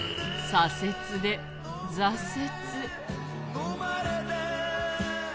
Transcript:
左折で挫折。